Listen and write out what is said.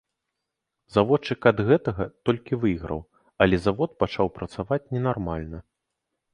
Заводчык ад гэтага толькі выйграў, але завод пачаў працаваць ненармальна.